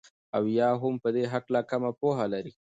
او يا هم په دي هكله كمه پوهه لري